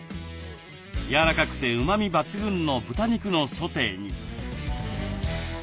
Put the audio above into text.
やわらかくてうまみ抜群の豚肉のソテーに。